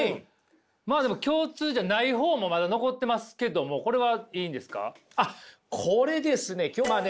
まあ共通じゃない方もまだ残ってますけどもこれはいいんですか？